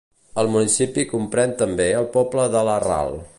El municipi comprèn també el poble de La Ral.